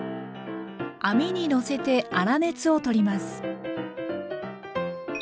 網にのせて粗熱を取ります。